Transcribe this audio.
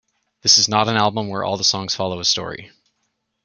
This is not an album where all the songs follow a story.